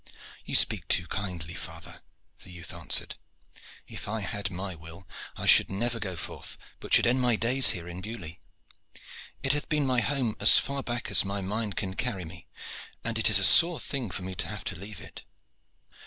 "You speak too kindly, father," the youth answered. "If I had my will I should never go forth, but should end my days here in Beaulieu. It hath been my home as far back as my mind can carry me, and it is a sore thing for me to have to leave it."